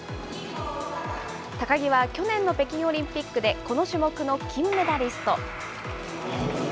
高木は去年の北京オリンピックでこの種目の金メダリスト。